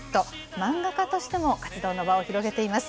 漫画家としても活動の場を広げています。